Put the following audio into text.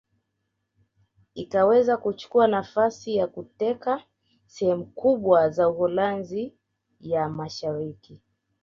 Ikaweza kuchukua nafasi ya kuteka sehemu kubwa za Uholanzi ya Mashariki